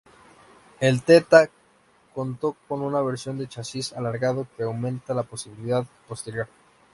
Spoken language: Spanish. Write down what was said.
El Theta contó con una versión de chasis alargado, que aumentaba la habitabilidad posterior.